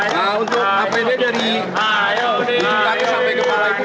nah untuk apd dari tkp sampai ke para ikut